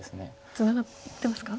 ツナがってますか？